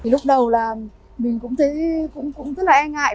lúc đầu là mình cũng thấy cũng rất là e ngại